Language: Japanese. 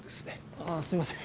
あすいません。